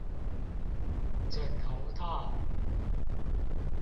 枕頭套